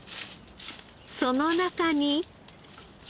その中に。